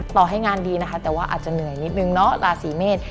ต่อให้งานดีนะคะแต่ว่าอาจจะเหนื่อยนิดนึงเนาะราศีเมษ